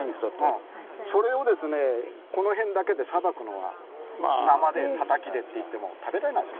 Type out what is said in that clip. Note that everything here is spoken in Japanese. それをこの辺だけでさばくのは生でたたきでっていっても食べられないでしょ。